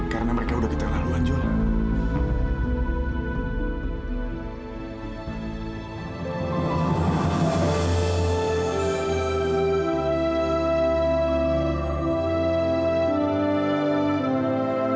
karena mereka udah di terlaluan juli